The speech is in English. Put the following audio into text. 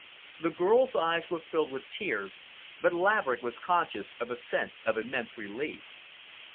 The girl's eyes were filled with tears, but Laverick was conscious of a sense of immense relief.